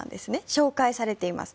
紹介されています。